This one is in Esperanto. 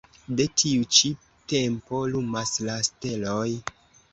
De tiu ĉi tempo lumas la steloj.